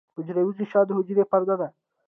حجروی غشا د حجرې پرده ده